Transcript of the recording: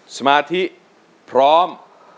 สมาธิพร้อม